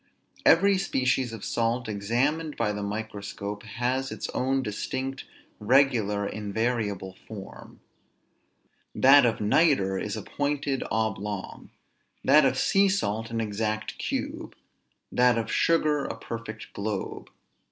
Every species of salt, examined by the microscope, has its own distinct, regular, invariable form. That of nitre is a pointed oblong; that of sea salt an exact cube; that of sugar a perfect globe.